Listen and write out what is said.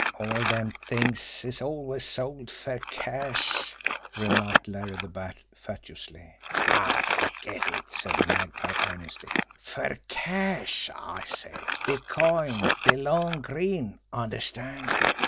"All dem t'ings is always sold fer cash," remarked Larry the Bat fatuously. "Aw, ferget it!" said the Magpie earnestly. "Fer CASH, I said de coin, de long green understand?